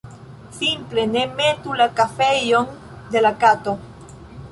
simple ne metu la fekejon de la kato